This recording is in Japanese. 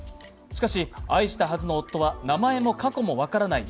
しかし、愛したはずの夫は名前も過去も分からない